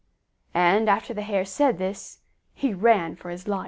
And after the Hare said this, he ran for his life.